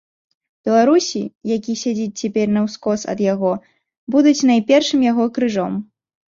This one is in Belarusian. Беларусі, які сядзіць цяпер наўскос ад яго, будуць найпершым яго крыжом.